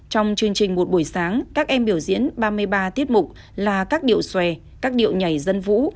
trong chương trình một buổi sáng các em biểu diễn ba mươi ba tiết mục là các điệu xòe các điệu nhảy dân vũ